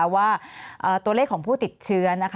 ว่าตัวเลขของผู้ติดเชื้อ